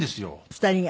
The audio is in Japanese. ２人が？